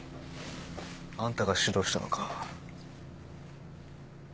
あんたが指導したのか？